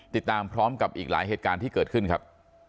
ติดตามพร้อมกับอีกหลายเหตุการณ์ที่เกิดขึ้นครับ